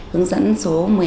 hướng dẫn số một mươi hai